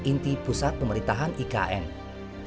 inti pusat pemerintahan ika nusantara